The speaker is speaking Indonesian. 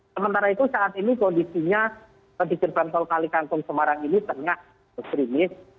sementara itu saat ini kondisinya di gerbang tol kali kangkung semarang ini tengah berkrimis